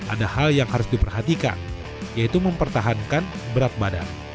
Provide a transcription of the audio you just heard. ada hal yang harus diperhatikan yaitu mempertahankan berat badan